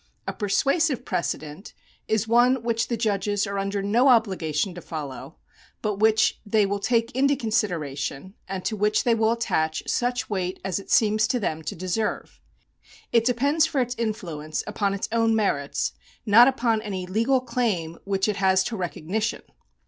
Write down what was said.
A persuasive precedent is one which the judges are under no obligation to follow, but which they will take into considera tion, and to which they will attach such weight as it seems to them to deserve. It depends for its influence upon its own merits, not upon any legal claim which it has to recog nition.